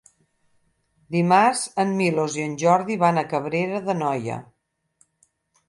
Dimarts en Milos i en Jordi van a Cabrera d'Anoia.